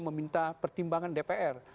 meminta pertimbangan dpr